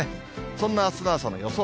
そんなあすの朝の予想